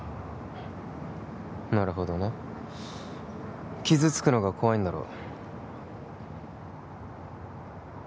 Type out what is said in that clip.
なるほどね傷つくのが怖いんだろ？